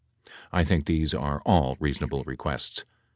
I think these are all reasonable requests.